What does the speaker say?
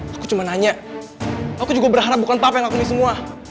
aku cuma nanya aku juga berharap bukan papa yang ngakuni semua